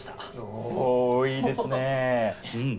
おぉいいですねうん。